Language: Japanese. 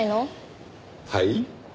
はい？